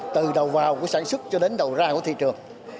từ đầu vào của sản xuất cho đến đầu ra của thị trường